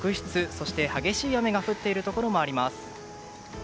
そして激しい雨が降っているところもあります。